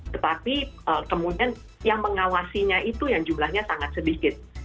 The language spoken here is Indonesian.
tetapi kemudian yang mengawasinya itu yang jumlahnya sangat sedikit